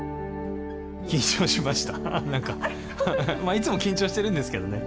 いつも緊張してるんですけどね。